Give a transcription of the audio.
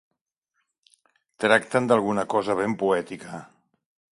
Tracten d'alguna cosa ben poètica.